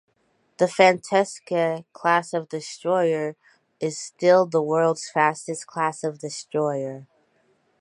The "Fantasque" class of destroyer is still the world's fastest class of destroyer.